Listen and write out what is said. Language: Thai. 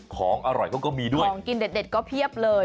ของอร่อยเขาก็มีด้วยของกินเด็ดก็เพียบเลย